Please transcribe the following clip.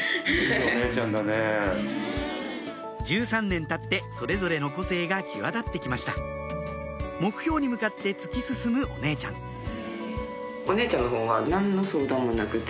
１３年たってそれぞれの個性が際立って来ました目標に向かって突き進むお姉ちゃんなのでもうそんな感じだけど。